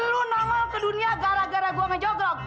lu namal ke dunia gara gara gua ngejogrok